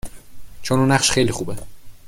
چون اون نقش خیلی خوبه